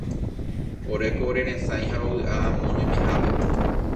Oréko oreresãi ha rovy'a amo roimehápe.